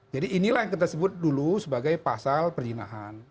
jadi inilah yang kita sebut dulu sebagai pasal perjinahan